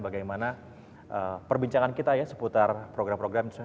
bagaimana perbincangan kita ya seputar program program